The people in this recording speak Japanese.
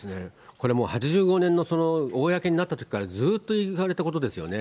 これ、８５年の公になったときから、ずっと言われたことですよね。